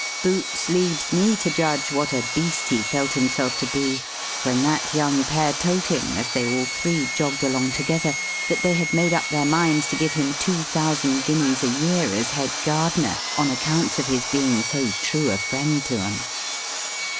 Boots leaves me to judge what a Beast he felt himself to be, when that young pair told him, as they all three jogged along together, that they had made up their minds to give him two thousand guineas a year as head gardener, on accounts of his being so true a friend to 'em.